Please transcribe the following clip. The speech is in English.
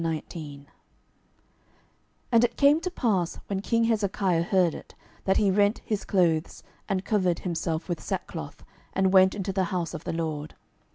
12:019:001 And it came to pass, when king Hezekiah heard it, that he rent his clothes, and covered himself with sackcloth, and went into the house of the LORD.